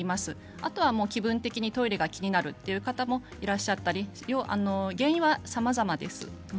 あとは気分的にトイレが気になるという方もいらっしゃったり原因は、さまざまです。